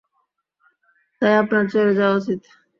তাই আপনার চলে যাওয়া উচিত।